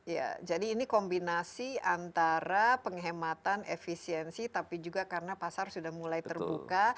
ya jadi ini kombinasi antara penghematan efisiensi tapi juga karena pasar sudah mulai terbuka